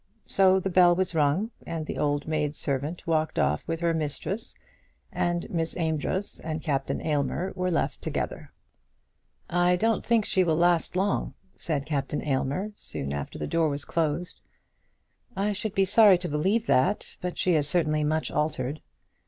So the bell was rung, and the old maid servant walked off with her mistress, and Miss Amedroz and Captain Aylmer were left together. "I don't think she will last long," said Captain Aylmer, soon after the door was closed. "I should be sorry to believe that; but she is certainly much altered."